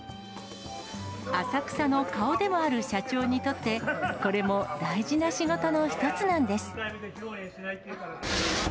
浅草の顔でもある社長にとって、これも大事な仕事の一つなんです。